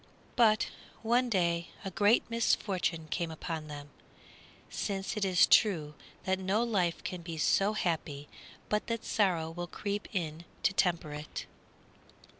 But one day a great misfortune came upon them, since it is true that no life can be so happy but that sorrow will creep in to temper it.